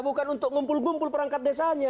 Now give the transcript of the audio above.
bukan untuk ngumpul ngumpul perangkat desanya